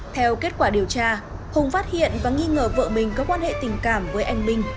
theo kết quả điều tra hùng phát hiện và nghi ngờ vợ mình có quan hệ tình cảm với anh minh